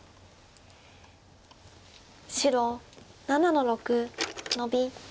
白７の六ノビ。